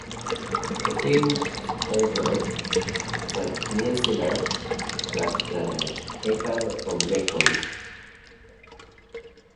It still serves the peninsula as a paper of record.